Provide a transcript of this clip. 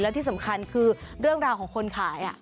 และที่สำคัญคือเรื่องราวของคนขาย